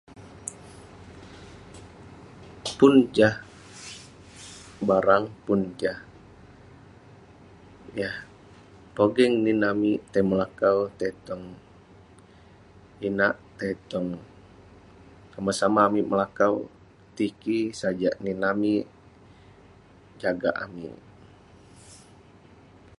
Pun jah barang pun jah yah pogeng nin amik tai melaku tai tong inak tai tong somah-somah amik melakau tiky sajak nin amik jagak amik